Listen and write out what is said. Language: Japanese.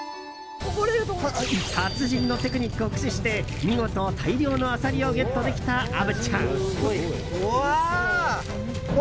達人のテクニックを駆使して見事、大量のアサリをゲットできた虻ちゃん。